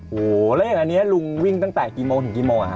โอ้โหแล้วอย่างอันนี้ลุงวิ่งตั้งแต่กี่โมงถึงกี่โมง